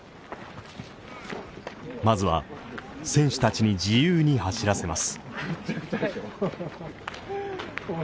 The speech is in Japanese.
まずは選手たちに自由に走らせます。